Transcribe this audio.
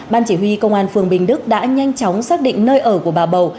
ban chỉ huy công an phường bình đức đã nhanh chóng xác định nơi ở của bà bầu